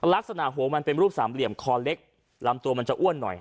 ลักษณะหัวมันเป็นรูปสามเหลี่ยมคอเล็กลำตัวมันจะอ้วนหน่อย